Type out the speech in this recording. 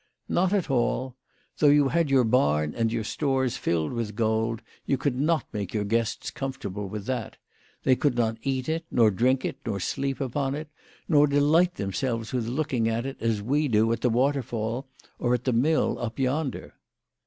" Not at all. Though you had your barn and your stores filled with gold, you could not make your guests comfortable with that. They could not eat it, nor drink it, nor sleep upon it, nor delight themselves with looking at it as we do at the waterfall, or at the mill up yonder."